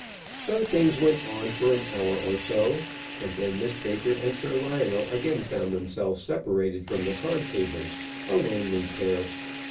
So things went on for an hour or so, and then Miss Baker and Sir Lionel again found themselves separated from the card tables, a lonely pair.